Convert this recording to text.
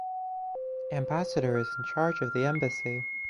Ambassador is in charge of the embassy.